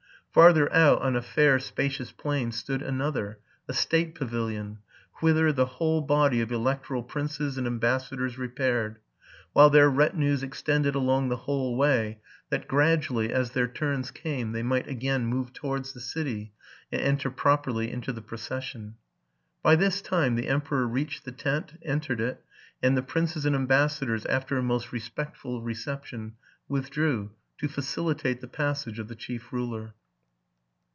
Farther out, on a fair, spacious plain, stood another, a state pavilion, whither the whole body of electoral princes and ambassadors repaired; while their retinues extended along the whole way, that gradually, as their turns came, they might again move towards the city, and enter properly into the procession. By this time the emperor reached the tent, entered it; and the princes and ambassadors, after a most respectful reception, withdrew, to facilitate the passage of the chief ruler.